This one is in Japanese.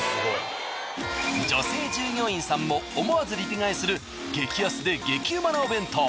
女性従業員さんも思わずリピ買いする激安で激ウマなお弁当。